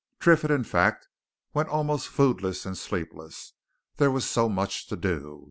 Triffitt, in fact, went almost foodless and sleepless; there was so much to do.